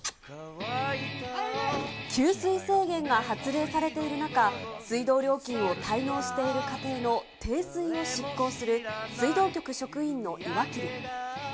給水制限が発令されている中、水道料金を滞納している家庭の停水を執行する、水道局職員の岩切。